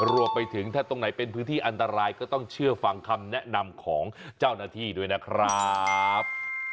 รวมไปถึงถ้าตรงไหนเป็นพื้นที่อันตรายก็ต้องเชื่อฟังคำแนะนำของเจ้าหน้าที่ด้วยนะครับ